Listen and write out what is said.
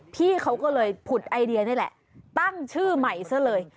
พี่เขาก็เลยผุดไอเดียนี่แหละตั้งชื่อใหม่ซะเลย